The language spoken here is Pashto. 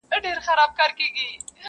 قېمتي جامي په غاړه سر تر پایه وو سِنکار,